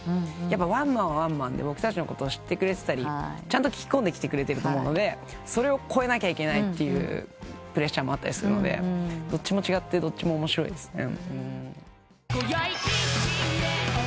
ワンマンはワンマンで僕たちのことを知ってくれてたりちゃんと聴きこんできてくれてると思うのでそれを超えなきゃいけないっていうプレッシャーもあったりするのでどっちも違ってどっちも面白いですね。